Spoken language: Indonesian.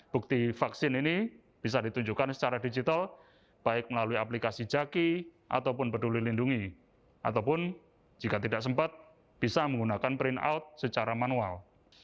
bukti vaksin ini bisa ditunjukkan secara digital baik melalui aplikasi jaki ataupun peduli lindungi ataupun jika tidak sempat bisa menggunakan print out secara manual